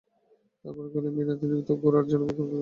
তাহার পরে কহিলেন, বিনয়, এতদিন তো গোরার জন্যে অপেক্ষা করা গেল।